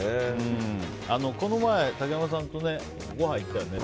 この前、竹山さんとごはん行ったよね。